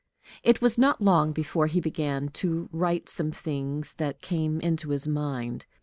It was not long before he began to write some of the things that came into his mind.